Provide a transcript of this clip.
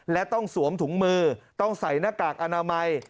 และต้องสวมถุงมือต้องใส่หน้ากากอนามัย